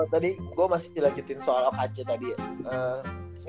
tadi gue masih jelajetin soal apa aja tadi ya